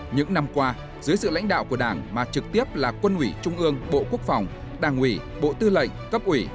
những năm qua dưới sự lãnh đạo của đảng mà trực tiếp là quân ủy trung ương bộ quốc phòng đảng ủy bộ tư lệnh cấp ủy